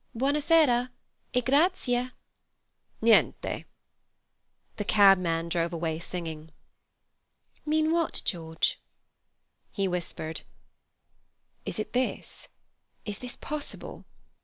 "Buona sera—e grazie." "Niente." The cabman drove away singing. "Mean what, George?" He whispered: "Is it this? Is this possible?